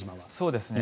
そうですね。